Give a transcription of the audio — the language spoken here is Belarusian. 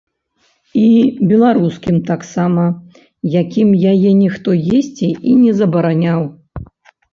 І беларускім таксама, якім яе ніхто есці і не забараняў.